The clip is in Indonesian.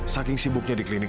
saking sibuknya di klinik